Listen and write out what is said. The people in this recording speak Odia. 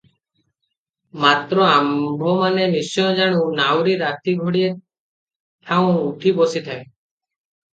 ମାତ୍ର ଆମ୍ଭମାନେ ନିଶ୍ଚୟ ଜାଣୁ, ନାଉରି ରାତି ଘଡ଼ିଏ ଥାଉଁ ଉଠି ବସିଥାଏ ।